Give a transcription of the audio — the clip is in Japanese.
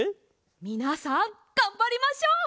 みなさんがんばりましょう。